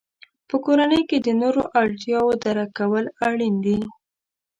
په کورنۍ کې د نورو اړتیاوو درک کول اړین دي.